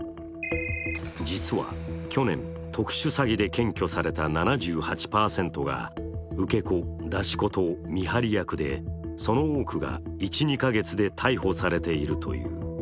実は、去年特殊詐欺で検挙された７８％が、受け子、出し子と見張り役でその多くが１２か月で逮捕されているという。